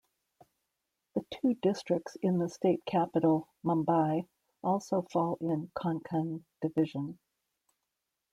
The two districts in the state capital Mumbai also fall in Konkan division.